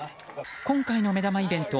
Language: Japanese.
今回の目玉イベント